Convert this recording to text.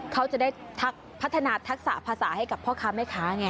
เขาจะได้พัฒนาทักษะภาษาให้กับพ่อค้าแม่ค้าไง